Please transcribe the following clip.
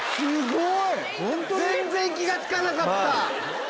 全然気が付かなかった。